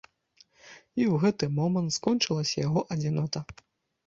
І ў гэты момант скончылася яго адзінота.